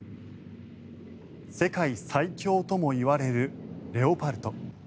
世界最強ともいわれるレオパルト。